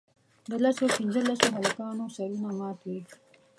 د لسو پینځلسو هلکانو سرونه مات وي.